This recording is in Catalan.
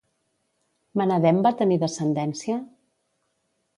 Menedem va tenir descendència?